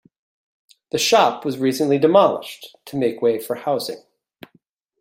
The shop was recently demolished, to make way for housing.